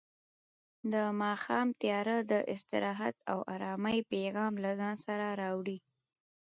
د ماښام تیاره د استراحت او ارامۍ پیغام له ځان سره راوړي.